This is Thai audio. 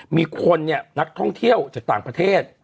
มีคนเนี่ยนักท่องเที่ยวจากต่างประเทศ